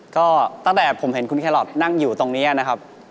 ก็ตั้งแต่ผมเห็นคุณแครอทนั่งอยู่ตรงนี้นะครับ